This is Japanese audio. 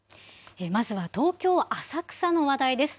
まずは東京・浅草の話題です。